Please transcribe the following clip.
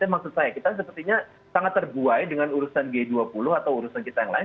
maksud saya kita sepertinya sangat terbuai dengan urusan g dua puluh atau urusan kita yang lain